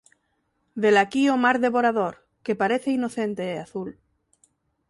Velaquí o mar devorador, que parece inocente e azul.